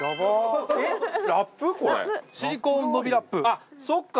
あっそっか！